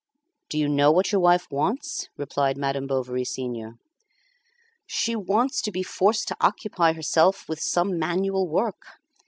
"Do you know what your wife wants?" replied Madame Bovary senior. "She wants to be forced to occupy herself with some manual work.